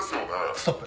ストップ。